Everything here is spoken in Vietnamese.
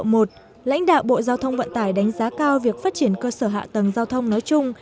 tỉnh phú yên đề nghị bộ giao thông vận tải đánh giá cao việc phát triển cơ sở hạ tầng giao thông nói chung